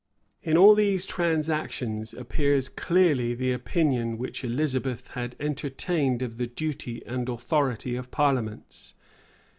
151 In all these transactions appears clearly the opinion which Elizabeth had entertained of the duty and authority of parliaments.